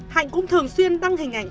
hạnh cũng thường xuyên đăng hình ảnh